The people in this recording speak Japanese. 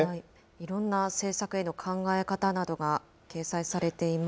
いろんな政策への考え方などが掲載されています。